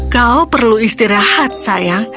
kau perlu istirahat sayang